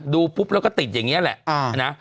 ดูปุ๊บแล้วก็ติดอย่างนี้แหละนะ